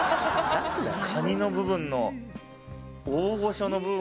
カニの部分の大御所の部分から。